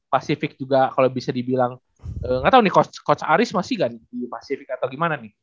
pacific juga kalau bisa dibilang gak tau nih coach aris masih gak nih di pacific atau gimana nih